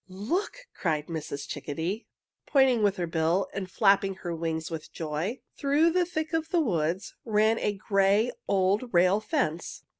"'Look!' cried Mrs. Chickadee, pointing with her bill and flapping her wings with joy. "Through the thick of the woods ran a gray old rail fence.